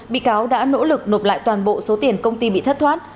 bị cáo đã nỗ lực nộp lại toàn bộ số tiền công ty bị thất thoát